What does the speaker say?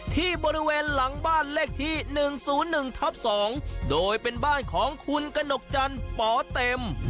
ที่บริเวณหลังบ้านเลขที่๑๐๑ทับ๒โดยเป็นบ้านของคุณกระหนกจันทร์ปอเต็ม